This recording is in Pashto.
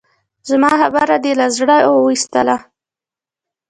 زما خبره دې له زړه اوېستله؟